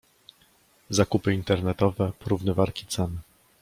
Zakupy internetowe, porównywarki cen.